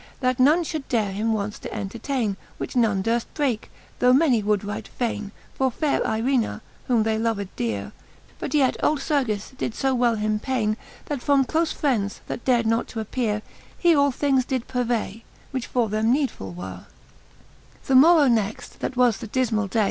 That none fhould dare him once to entertaine : Which none durft breake, though many would right faine For fay re Irena^ whom they loved deare. But yet old Sergis did fb well him paine,. That from clofe friends, that dar'd not to appeare, He all things did purvay, which for them needful! weare^ XI. The morrow next, that was the difrnall day.